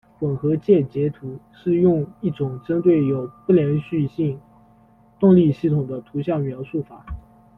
混合键结图是用一种针对有不连续性动力系统的图像描述法。